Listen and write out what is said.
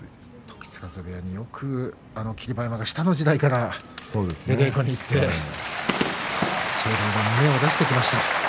時津風部屋によく霧馬山が下の時代から出稽古に行って正代も胸を出してきました。